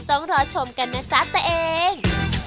ต้องรอชมกันนะจ๊ะตัวเอง